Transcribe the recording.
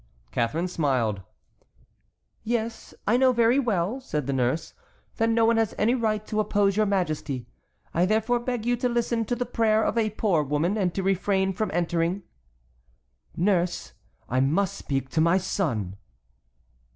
Catharine smiled. "Yes, I know very well," said the nurse, "that no one has any right to oppose your majesty; I therefore beg you to listen to the prayer of a poor woman and to refrain from entering." "Nurse, I must speak to my son."